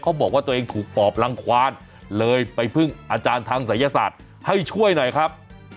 บอกว่าตัวเองถูกปอบรังควานเลยไปพึ่งอาจารย์ทางศัยศาสตร์ให้ช่วยหน่อยครับ